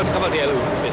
untuk kapal dia lu